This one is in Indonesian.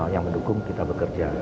yang mendukung kita bekerja